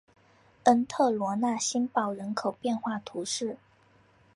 恩特罗讷新堡人口变化图示